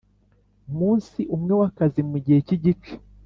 munsi umwe wakazi mu gihe cyigice